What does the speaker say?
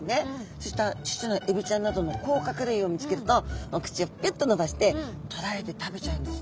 そうしたちっちゃなエビちゃんなどの甲殻類を見つけるとお口をピュッと伸ばしてとらえて食べちゃうんですね。